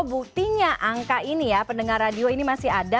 buktinya angka ini ya pendengar radio ini masih ada